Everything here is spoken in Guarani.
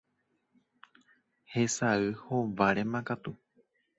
hesay hovárema katu.